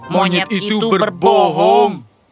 monyet itu berbohong